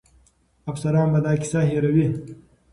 افسران به دا کیسه هېروي.